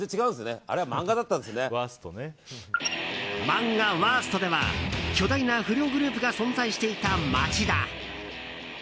漫画「ＷＯＲＳＴ」では巨大な不良グループが存在していた町田。